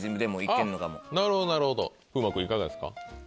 なるほどなるほど風磨君いかがですか？